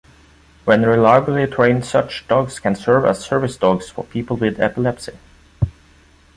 When reliably trained such dogs can serve as service dogs for people with epilepsy.